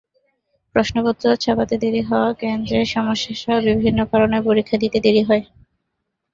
প্রশ্নপত্র ছাপাতে দেরি হওয়া, কেন্দ্রের সমস্যাসহ বিভিন্ন কারণেও পরীক্ষা নিতে দেরি হয়।